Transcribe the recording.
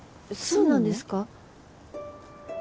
そうなんですか？